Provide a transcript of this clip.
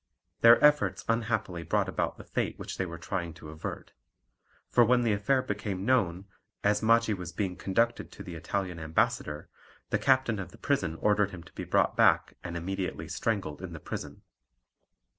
Their efforts unhappily brought about the fate which they were trying to avert. For when the affair became known, as Maggi was being conducted to the Italian ambassador, the captain of the prison ordered him to be brought back and immediately strangled in the prison.